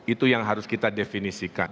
itu yang harus kita definisikan